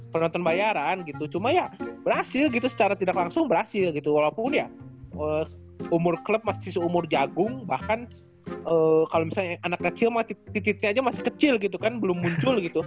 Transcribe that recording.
penonton bayaran gitu cuma ya berhasil gitu secara tidak langsung berhasil gitu walaupun ya umur klub masih seumur jagung bahkan kalau misalnya anak kecil titiknya aja masih kecil gitu kan belum muncul gitu